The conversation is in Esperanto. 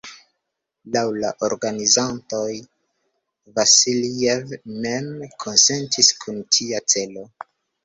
Laŭ la organizantoj, Vasiljev mem konsentis kun tia celo.